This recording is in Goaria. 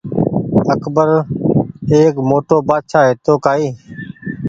اڪبر ايڪ موٽو بآڇآ هيتو ڪآئي